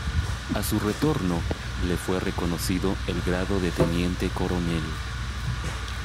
A su retorno le fue reconocido el grado de teniente coronel.